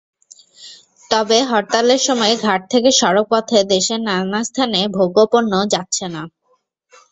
তবে হরতালের সময় ঘাট থেকে সড়কপথে দেশের নানা স্থানে ভোগ্যপণ্য যাচ্ছে না।